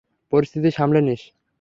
পরিস্থিতি সামলে নিস।